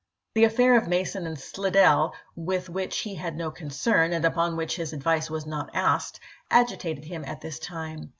The affair of Mason and Slidell, with which he had no concern, and upon which his advice was not asked, agitated him at this time.